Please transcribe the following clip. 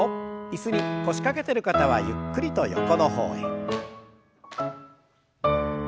椅子に腰掛けてる方はゆっくりと横の方へ。